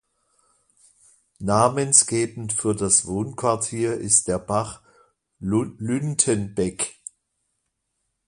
Namensgebend für das Wohnquartier ist der Bach Lüntenbeck.